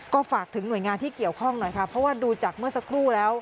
ก็ฝากถึงหน่วยงานที่เกี่ยวข้องหน่อยค่ะเพราะว่าดูจากเมื่อสักครู่แล้ว